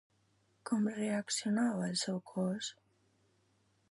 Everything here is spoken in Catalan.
Com reaccionava el seu cos?